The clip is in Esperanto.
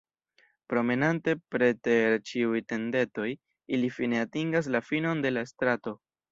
Promenante preter ĉiuj tendetoj, ili fine atingas la finon de la strato.